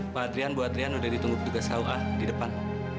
pak adrian bu adrian udah ditunggu tugas hoa di depan